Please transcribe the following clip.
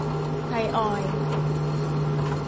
ไทยออยล์